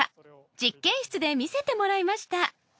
実験室で見せてもらいました